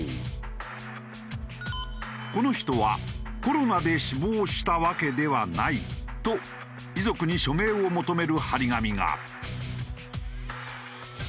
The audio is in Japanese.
「この人はコロナで死亡したわけではない」と遺族に署名を求める貼り紙が。